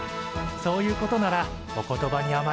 そういうことならお言葉にあまえて。